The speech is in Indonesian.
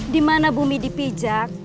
di mana bumi dipijak